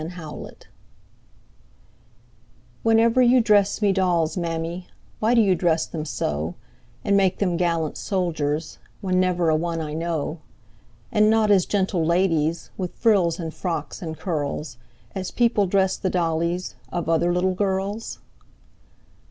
THE DOLLS "WHENEVER you dress me dolls, mammy, Why do you dress them so, And make them gallant soldiers, When never a one I know; And not as gentle ladies With frills and frocks and curls, As people dress the dollies Of other little girls?"